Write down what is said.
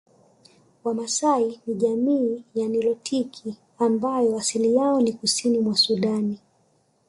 Wamaasai ni jamii ya nilotiki ambao asili yao ni kusini mwa Sudan